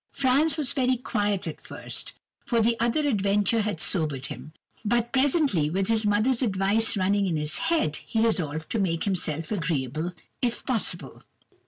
Franz was very quiet at first, for the other adventure had sobered him, but presently, with his mother's advice running in his head, he resolved to make himself agreeable, if possible.